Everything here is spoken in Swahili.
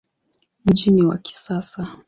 Mji ni wa kisasa.